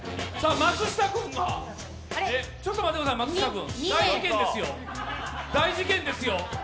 松下君がちょっと待ってください、松下君、大事件ですよ。